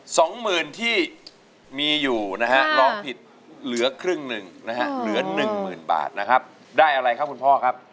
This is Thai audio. สองหมื่นที่มีอยู่นะฮะร้องผิดเหลือครึ่งหนึ่งนะฮะเหลือหนึ่งหมื่นบาทนะครับได้อะไรครับคุณพ่อครับ